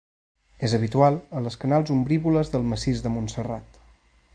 És habitual a les canals ombrívoles del massís de Montserrat.